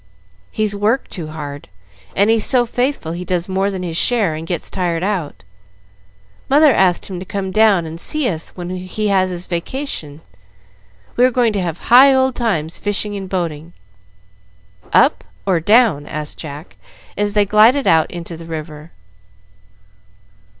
"He's worked too hard. He's so faithful he does more than his share, and gets tired out. Mother asked him to come down and see us when he has his vacation; we are going to have high old times fishing and boating. Up or down?" asked Jack, as they glided out into the river.